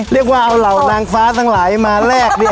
เรียกว่าเอาเหล่านางฟ้าทั้งหลายมาแลกเนี่ย